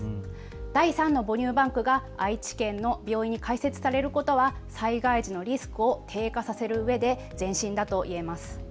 第３の母乳バンクが愛知県の病院に開設されることは災害時のリスクを低下させるうえで前進だといえます。